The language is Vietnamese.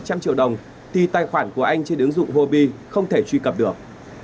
tại vì bảy trăm linh triệu đồng thì tài khoản của anh trên ứng dụng huobi không thể truy cập được